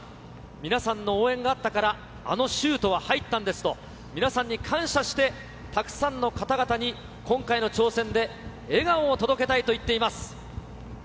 皆さんの応援があったからあのシュートは入ったんですと、皆さんに感謝して、たくさんの方々に今回の挑戦で、笑顔を届けたいと言っています。